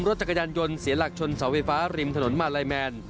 รถจักรยานยนต์เสียหลักชนเสาไฟฟ้าริมถนนมาลัยแมน